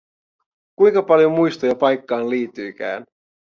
Kuinka paljon muistoja paikkaan liittyikään!